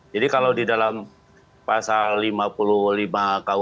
jadi kalau di dalam pasal lima puluh lima ku